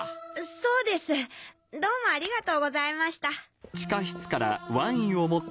そうですどうもありがとうございました。